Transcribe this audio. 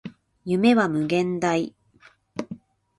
夢は無限大